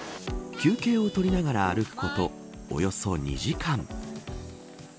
休憩を取りながら歩くことおよそ２時間。